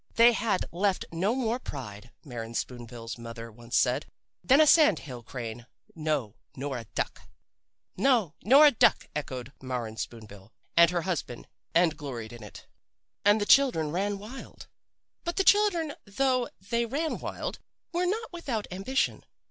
'They had left no more pride,' Maren Spoon bill's mother once said, 'than a sand hill crane no, nor a duck.' "'No, nor a duck,' echoed Maren Spoon bill and her husband, and gloried in it. "And the children ran wild. "But the children, though they ran wild, were not without ambition.